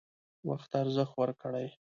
وخت ارزښت ورکړئ